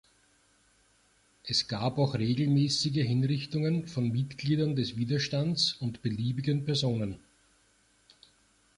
Es gab auch regelmäßige Hinrichtungen von Mitgliedern des Widerstands und beliebigen Personen.